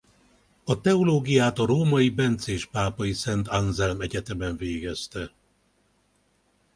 A teológiát a római bencés Pápai Szent Anzelm Egyetemen végezte.